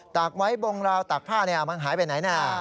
ตากไว้บงราวตากผ้ามันหายไปไหนนะ